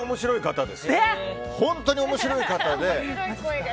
本当に面白い方で。